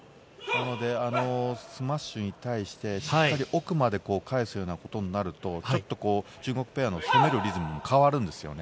スマッシュに対して、しっかり奥まで返すようなことになると、中国ペアの攻めるリズムも変わるんですよね。